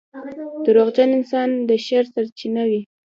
• دروغجن انسان د شر سرچینه وي.